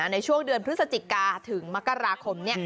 ในช่วงเดือนพฤศจิกาถึงมกราคม